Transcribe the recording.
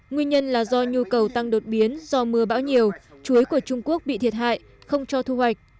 nguyên nhân là do nhu cầu tăng đột biến do mưa bão nhiều chuối của trung quốc bị thiệt hại không cho thu hoạch